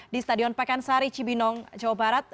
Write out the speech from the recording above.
di stadion pakansari cibinong jawa barat